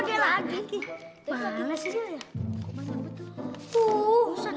pak kok banyak betul